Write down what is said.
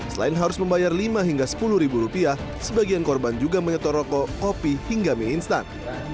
selain harus membayar lima hingga sepuluh ribu rupiah sebagian korban juga menyetor rokok kopi hingga mie instan